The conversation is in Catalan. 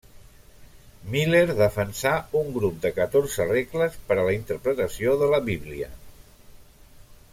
Miller defensà un grup de catorze regles per a la interpretació de la Bíblia.